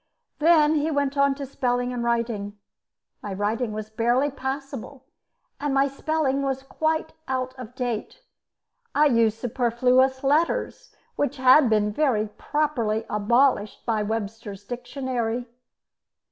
Then he went on to spelling and writing. My writing was barely passable, and my spelling was quite out of date. I used superfluous letters which had been very properly abolished by Webster's dictionary.